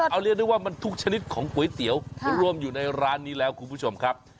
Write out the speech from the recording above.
เอาเรียกได้ว่ามันทุกชนิดของก๋วยเตี๋ยวรวมอยู่ในร้านนี้แล้วคุณผู้ชมครับ